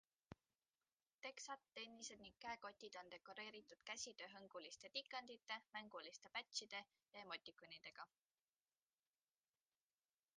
Teksad, tennised ning käekotid on dekoreeritud käsitööhõnguliste tikandite, mänguliste patchide ja emoticonidega.